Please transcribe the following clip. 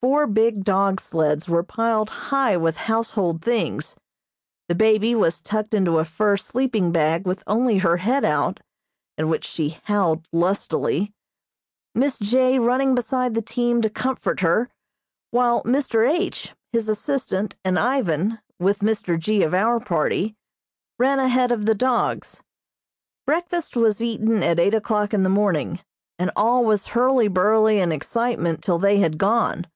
Four big dog sleds were piled high with household things, the baby was tucked into a fur sleeping bag with only her head out, at which she howled lustily, Miss J. running beside the team to comfort her, while Mr. H., his assistant and Ivan, with Mr. G. of our party, ran ahead of the dogs. Breakfast was eaten at eight o'clock in the morning, and all was hurly burly and excitement till they had gone.